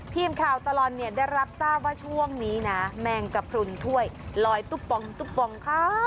ตลอดเนี่ยได้รับทราบว่าช่วงนี้นะแมงกระพรุนถ้วยลอยตุ๊บปองตุ๊บปองค่ะ